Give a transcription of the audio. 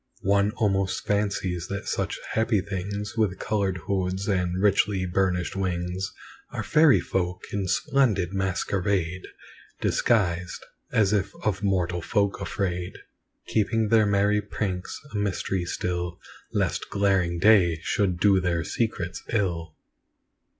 One almost fancies that such happy things, With coloured hoods and richly burnished wings, Are fairy folk, in splendid masquerade Disguised, as if of mortal folk afraid, Keeping their merry pranks a mystery still, Lest glaring day should do their secrets ill.